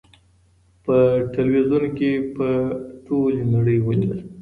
په ټلویزیون کي په ټولي نړۍ ولیدله